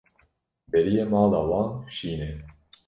Deriyê mala wan şîn e.